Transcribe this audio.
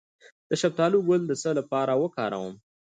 د شفتالو ګل د څه لپاره وکاروم؟